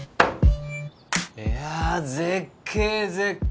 いや絶景絶景！